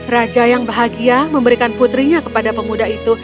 raja yang bahagia memberikan putrinya kepada pemuda itu